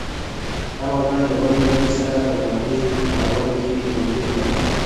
هر وګړی له بل وګړي سره د مورنۍ ژبې په کارولو کې توپیر لري